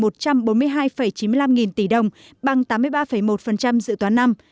tổng thu ngân sách nhà nước đạt một trăm bốn mươi hai chín mươi năm nghìn tỷ đồng bằng tám mươi ba một dự toán năm